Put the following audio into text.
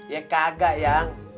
ya kagak yang